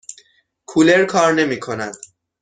کولر کار نمی کند.